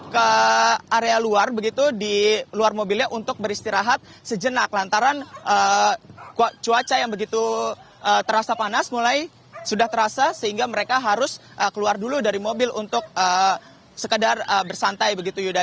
ke area luar begitu di luar mobilnya untuk beristirahat sejenak lantaran cuaca yang begitu terasa panas mulai sudah terasa sehingga mereka harus keluar dulu dari mobil untuk sekedar bersantai begitu yuda